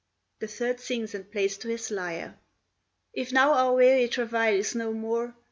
[The third sings and plays to his lyre.] If now our weary travail is no more!